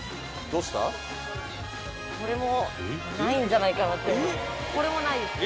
これもないんじゃないかなって思います。